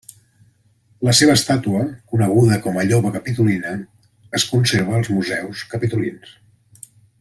La seva estàtua, coneguda com a Lloba Capitolina, es conserva als Museus Capitolins.